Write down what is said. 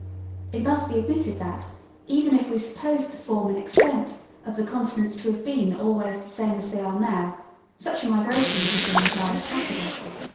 It must be admitted that, even if we supposed the form and extent of the continents to have been always the same as they are now, such a migration would have been entirely possible.